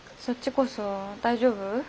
そっちこそ大丈夫？